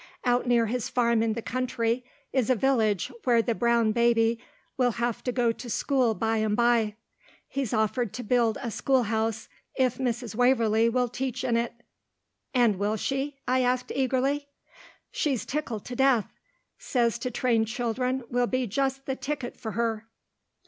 "Out near his farm in the country, is a village where the brown baby will have to go to school bye and bye. He's offered to build a school house, if Mrs. Waverlee will teach in it." "And will she?" I asked eagerly. "She's tickled to death. Says to train children will be just the ticket for her."